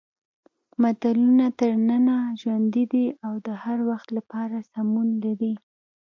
متلونه تر ننه ژوندي دي او د هر وخت سره سمون لري